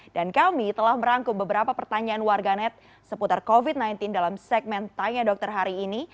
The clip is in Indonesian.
dan kami telah merangkum beberapa pertanyaan warga net seputar covid sembilan belas dalam segmen tanya dokter hari ini